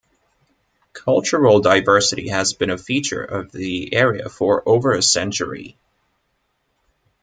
Cultural diversity has been a feature of the area for over a century.